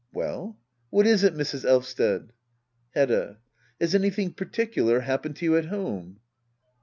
Well? What is it, Mrs. Elvsted ? Hedda. Has anything particular happened to you at home?